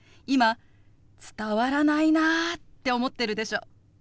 今伝わらないなって思ってるでしょ？